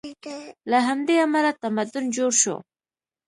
له همدې امله تمدن جوړ شو.